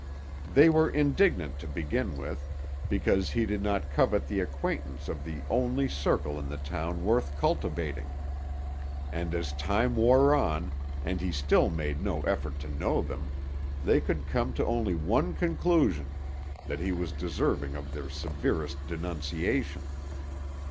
They were indignant, to begin with, because he did not covet the acquaintance of the only circle in the town worth cultivating, and as time wore on, and he still made no effort to know them, they could come to only one conclusion; that he was deserving of their severest denunciation.